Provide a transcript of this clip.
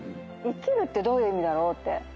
生きるってどういう意味だろう？